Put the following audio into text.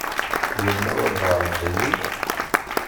Yella walebɛaḍ daki?